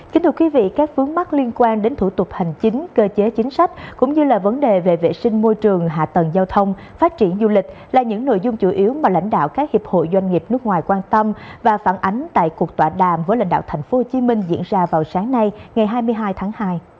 kính thưa quý vị các vướng mắt liên quan đến thủ tục hành chính cơ chế chính sách cũng như là vấn đề về vệ sinh môi trường hạ tầng giao thông phát triển du lịch là những nội dung chủ yếu mà lãnh đạo các hiệp hội doanh nghiệp nước ngoài quan tâm và phản ánh tại cuộc tọa đàm với lãnh đạo tp hcm diễn ra vào sáng nay ngày hai mươi hai tháng hai